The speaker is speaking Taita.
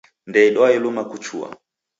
Ndeidwae luma kuchua.